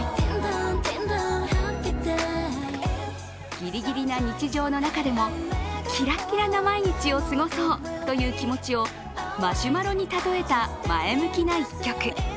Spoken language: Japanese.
ギリギリな日常の中でもキラキラな毎日を過ごそうという気持ちを、マシュマロに例えた前向きな一曲。